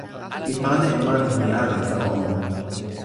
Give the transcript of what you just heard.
mi pana e mani mi ale tawa ona.